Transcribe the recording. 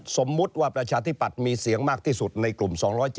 สมมุติว่าประชาธิปัตย์มีเสียงมากที่สุดในกลุ่ม๒๗